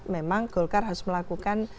memang golkar harus melakukan